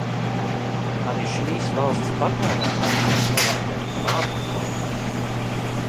Arī šīs valsts patērētāji sāk novērtēt labu kvalitāti.